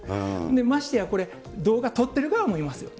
ましてやこれ、動画撮ってる側もいますよね。